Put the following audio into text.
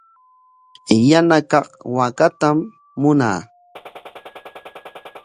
Yana kaq waakatam munaa.